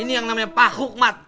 ini yang namanya pak hukmat